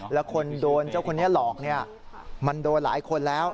แล้วคนโดนเจ้าคนนี้หลอกเนี่ยมันโดนหลายคนแล้ว